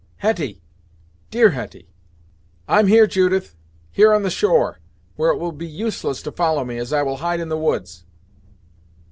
Hetty! dear Hetty." "I'm here, Judith here on the shore, where it will be useless to follow me, as I will hide in the woods."